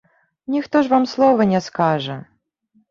Ніхто ж вам слова не скажа!